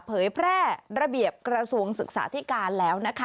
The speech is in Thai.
เผยแพร่ระเบียบกระทรวงศึกษาธิการแล้วนะคะ